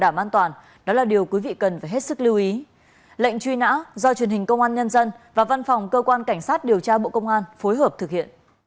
cảm ơn các bạn đã theo dõi